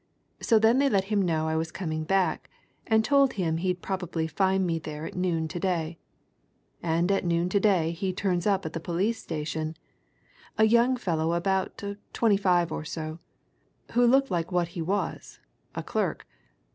So then they let him know I was coming back, and told him he'd probably find me there at noon to day. And at noon to day he turns up at the police station a young fellow about twenty five or so, who looked like what he was, a clerk.